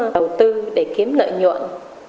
đầu tư để kiếm lợi nhuận